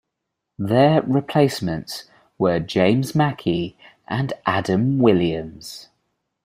Their replacements were James Mackie and Adam Williams.